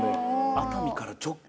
熱海から直帰？